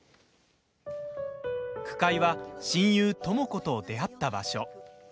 句会は親友・知子と出会った場所。